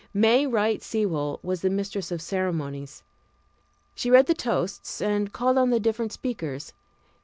May Wright Sewall was the mistress of ceremonies. She read the toasts and called on the different speakers.